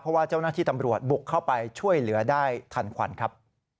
เพราะว่าเจ้าหน้าที่ตำรวจบุกเข้าไปช่วยเหลือได้ทันควันครับ